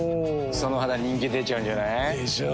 その肌人気出ちゃうんじゃない？でしょう。